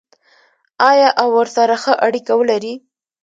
آیا او ورسره ښه اړیکه ولري؟